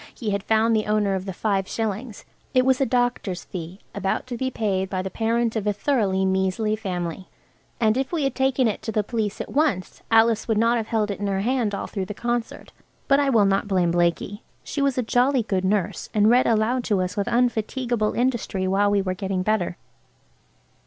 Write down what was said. He had found the owner of the five shillings. It was a doctor's fee, about to be paid by the parent of a thoroughly measly family. And if we had taken it to the police at once Alice would not have held it in her hand all through the concert–but I will not blame Blakie. She was a jolly good nurse, and read aloud to us with unfatiguable industry while we were getting better.